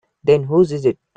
Then whose is it?